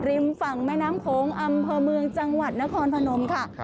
ริมฝั่งแม่น้ำโขงอำเภอเมืองจังหวัดนครพนมค่ะ